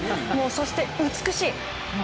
そして、美しい。